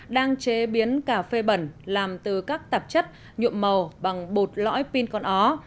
đang chế biến cà phê bẩn làm từ các tạp chất nhuộm màu bằng bột lõi pin con ó